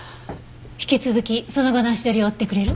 引き続きその後の足取りを追ってくれる？